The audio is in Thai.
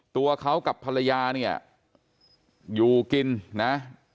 ตัวเขากับภรรยาเนี่ยอยู่กินนะ